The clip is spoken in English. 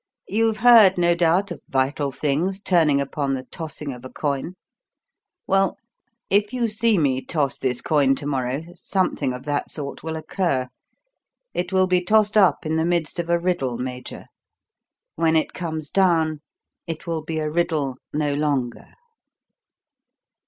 You've heard, no doubt, of vital things turning upon the tossing of a coin. Well, if you see me toss this coin to morrow, something of that sort will occur. It will be tossed up in the midst of a riddle, Major; when it comes down it will be a riddle no longer."